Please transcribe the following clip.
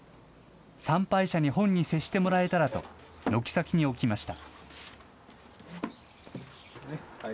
参拝者に本に接してもらえたらと、軒先に置きました。